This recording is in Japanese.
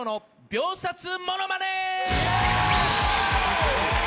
秒殺ものまね！